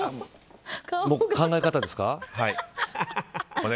考え方ですか？